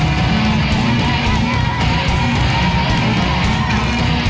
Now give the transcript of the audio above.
ทำไงกลับบ้าน